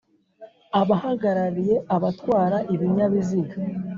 abahagarariye abatwara ibinyabiziga;